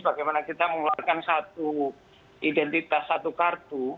bagaimana kita mengeluarkan satu identitas satu kartu